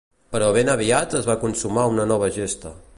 Però ben aviat es va consumar una nova gesta.